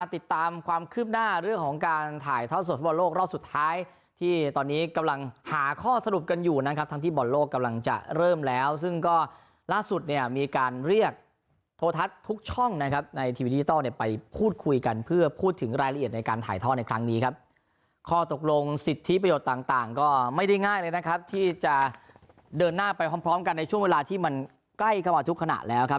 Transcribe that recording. ติดตามความคืบหน้าเรื่องของการถ่ายท่อสดบ่อนโลกรอบสุดท้ายที่ตอนนี้กำลังหาข้อสรุปกันอยู่นะครับทั้งที่บ่อนโลกกำลังจะเริ่มแล้วซึ่งก็ล่าสุดเนี่ยมีการเรียกโทรทัศน์ทุกช่องนะครับในทีวีดิจิทัลเนี่ยไปพูดคุยกันเพื่อพูดถึงรายละเอียดในการถ่ายท่อในครั้งนี้ครับข้อตกลงสิทธิประโยชน